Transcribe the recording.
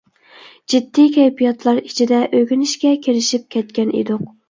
جىددىي كەيپىياتلار ئىچىدە ئۆگىنىشكە كىرىشىپ كەتكەن ئىدۇق.